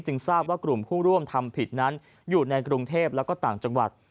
ทราบว่ากลุ่มผู้ร่วมทำผิดนั้นอยู่ในกรุงเทพแล้วก็ต่างจังหวัด